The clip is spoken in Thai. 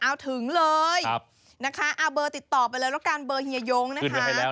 เอาถึงเลยนะคะเอาเบอร์ติดต่อไปเลยแล้วกันเบอร์เฮียยงนะคะ